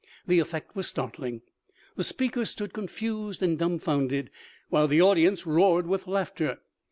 The effect was start ling. The speaker stood confused and dumb founded, while the audience roared with laugh ter.